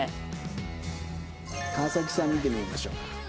川崎さん見てみましょうか。